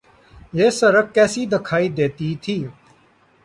یہ سڑک کیسی دکھائی دیتی تھی۔